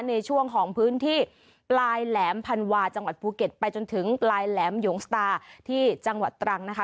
ในช่วงของพื้นที่ปลายแหลมพันวาจังหวัดภูเก็ตไปจนถึงปลายแหลมหยงสตาที่จังหวัดตรังนะคะ